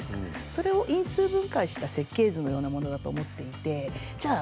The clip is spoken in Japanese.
それを因数分解した設計図のようなものだと思っていてじゃあ